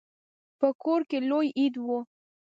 په کور کې لوی عید و.